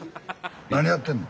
何やってんの？